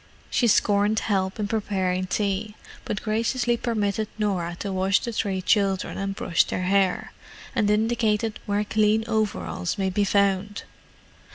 She scorned help in preparing tea, but graciously permitted Norah to wash the three children and brush their hair, and indicated where clean overalls might be found.